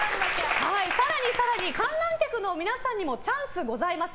更に更に観覧客の皆様にもチャンスがございます。